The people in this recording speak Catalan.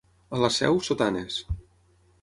A la Seu, sotanes.